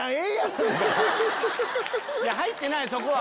入ってないそこは！